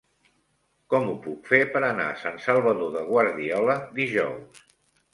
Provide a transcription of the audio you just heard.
Com ho puc fer per anar a Sant Salvador de Guardiola dijous?